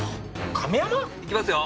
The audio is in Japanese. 亀山？行きますよ？